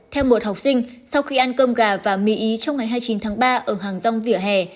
theo một học sinh sau khi ăn cơm gà và mì ý trong ngày hai mươi chín tháng ba ở hàng rong vỉa hè